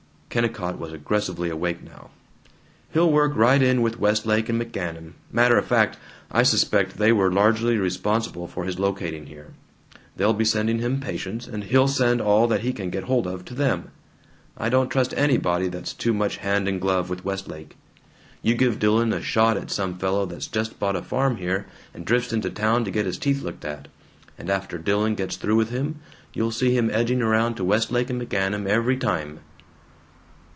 Kennicott was aggressively awake now. "He'll work right in with Westlake and McGanum. Matter of fact, I suspect they were largely responsible for his locating here. They'll be sending him patients, and he'll send all that he can get hold of to them. I don't trust anybody that's too much hand in glove with Westlake. You give Dillon a shot at some fellow that's just bought a farm here and drifts into town to get his teeth looked at, and after Dillon gets through with him, you'll see him edging around to Westlake and McGanum, every time!"